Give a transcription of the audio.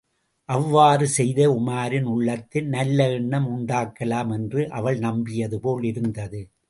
அவ்வாறு செய்து உமாரின் உள்ளத்தில் நல்லஎண்ணம் உண்டாக்கலாம் என்று அவள் நம்பியது போல் இருந்தது.